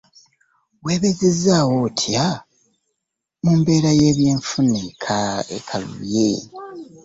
Weebezezzaawo otya mu mbeera y'ebye nfuna ekalubye?